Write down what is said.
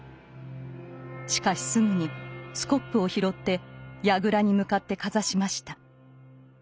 しかしすぐにスコップを拾ってやぐらに向かってかざしました。